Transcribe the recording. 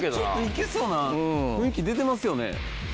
いけそうな雰囲気出てますよね。